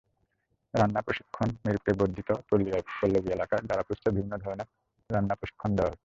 রান্না প্রশিক্ষণমিরপুরের বর্ধিত পল্লবী এলাকার জারা ফুডসের বিভিন্ন ধরনের রান্নার প্রশিক্ষণ দেওয়া হচ্ছে।